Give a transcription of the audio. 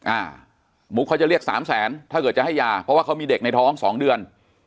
มุกเขาจะเรียกสามแสนถ้าเกิดจะให้ยาเพราะว่าเขามีเด็กในท้องสองเดือน